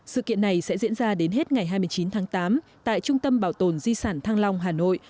sự kiện này sẽ diễn ra đến hết ngày hai mươi chín tháng tám tại trung tâm bảo tồn di sản thăng long hà nội